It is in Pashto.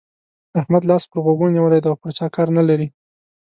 احمد لاس پر غوږو نيولی دی او پر چا کار نه لري.